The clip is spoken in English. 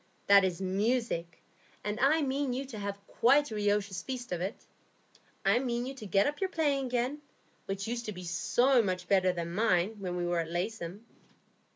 "That is music, and I mean you to have quite a riotous feast of it. I mean you to get up your playing again, which used to be so much better than mine, when we were at Laceham."